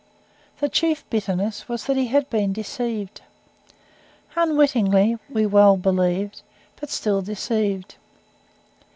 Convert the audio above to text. The chief bitterness was that he had been deceived. Unwittingly, we well believed but still deceived.